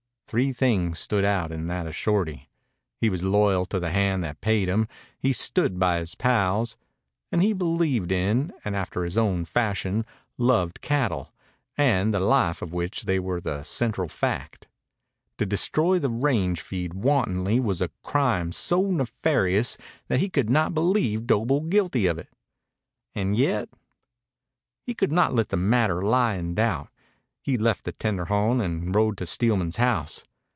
Three things stood out in that of Shorty. He was loyal to the hand that paid him, he stood by his pals, and he believed in and after his own fashion loved cattle and the life of which they were the central fact. To destroy the range feed wantonly was a crime so nefarious that he could not believe Doble guilty of it. And yet He could not let the matter lie in doubt. He left the tendejon and rode to Steelman's house.